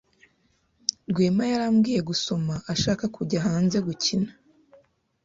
Rwema yarambiwe gusoma ashaka kujya hanze gukina.